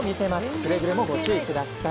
くれぐれもご注意ください。